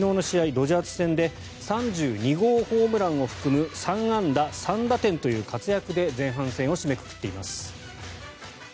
ドジャース戦で３２号ホームランを含む３安打３打点という活躍で前半戦を締めくくっています。